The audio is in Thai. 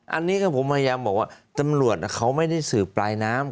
อันนี้ก็ผมพยายามบอกว่าตำรวจเขาไม่ได้สืบปลายน้ำ